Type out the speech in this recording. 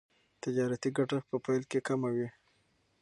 تجارتي ګټه په پیل کې کمه وي.